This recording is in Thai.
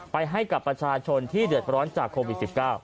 ให้กับประชาชนที่เดือดร้อนจากโควิด๑๙